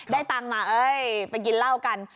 ได้ตังมาเอ๊ะไปกินเล่ากัน